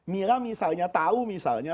mila misalnya tahu misalnya